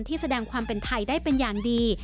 แสดงความเป็นไทยได้เป็นอย่างดี